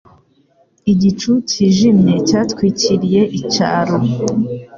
Igicu cyijimye cyatwikiriye icyaro.